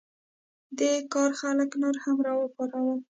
دې کار خلک نور هم راوپارول.